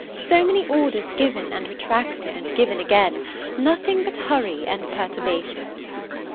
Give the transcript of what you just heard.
so many orders given, and retracted, and given again! nothing but hurry and perturbation.